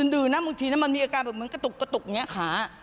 ดึกนะมึงทีมันมีอาการแบบมีก็ตุกครับขา